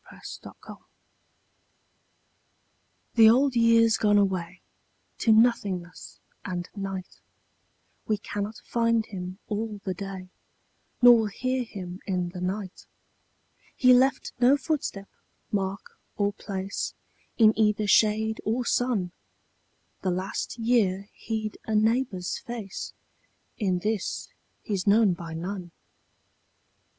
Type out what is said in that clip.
The Old Year The Old Year's gone away To nothingness and night: We cannot find him all the day Nor hear him in the night: He left no footstep, mark or place In either shade or sun: The last year he'd a neighbour's face, In this he's known by none.